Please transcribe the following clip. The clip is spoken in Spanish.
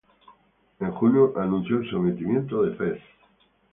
En junio anunció el sometimiento de Fez.